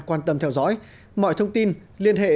quan tâm theo dõi mọi thông tin liên hệ